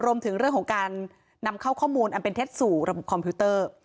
รวมถึงเรื่องของการนำเข้าข้อมูลอันเป็นเท็จสู่ระบบคอมพิวเตอร์